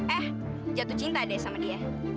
eh jatuh cinta deh sama dia